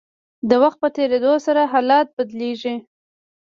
د وخت په تیریدو سره حالات بدلیږي.